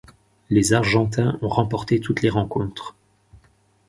Les Argentins ont remporté toutes les rencontres.